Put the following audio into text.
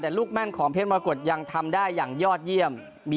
แต่ลูกแม่นของเพชรมรกฏยังทำได้อย่างยอดเยี่ยม